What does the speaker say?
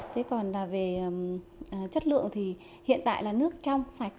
thế còn về chất lượng thì hiện tại là nước trong sạch